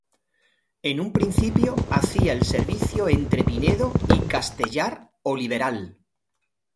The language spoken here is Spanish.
En un principio hacía el servicio entre Pinedo y Castellar-Oliveral.